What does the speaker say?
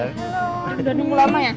udah nunggu lama ya